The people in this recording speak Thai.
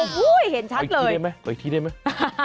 โอ้โหเห็นชัดเลยได้ไหมขออีกทีได้ไหม